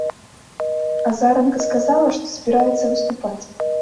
Азаранка сказала, што збіраецца выступаць.